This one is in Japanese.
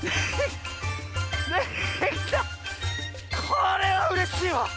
これはうれしいわ！